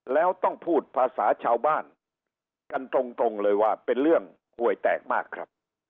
แล้วต้องพูดภาษาชาวบ้านกันตรงเลยว่าเป็นเรื่องหวยแตกมากครับ